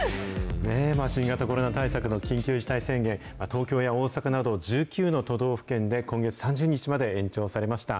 新型コロナ対策の緊急事態宣言、東京や大阪など、１９の都道府県で今月３０日まで延長されました。